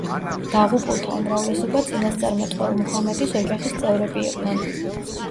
დაღუპულთა უმრავლესობა წინასწარმეტყველ მუჰამედის ოჯახის წევრები იყვნენ.